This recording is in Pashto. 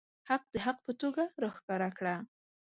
حق د حق په توګه راښکاره کړه.